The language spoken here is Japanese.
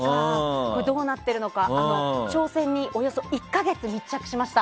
どうなっているのか挑戦におよそ１か月密着しました。